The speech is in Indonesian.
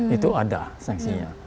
itu ada saksinya